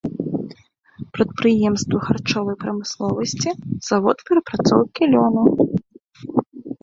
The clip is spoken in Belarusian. Прадпрыемствы харчовай прамысловасці, завод перапрацоўкі лёну.